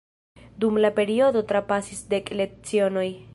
Dum la periodo trapasis dek lecionoj.